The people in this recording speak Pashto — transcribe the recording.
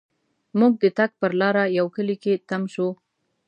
مونږ د تګ پر لار یوه کلي کې تم شوو.